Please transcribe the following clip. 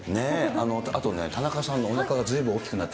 あとね、田中さんのおなかがずいぶん大きくなって。